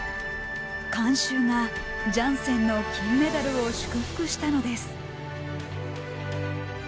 観衆がジャンセンの金メダルを祝福したのです。